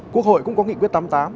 quốc hội cũng có nghị quyết tám mươi tám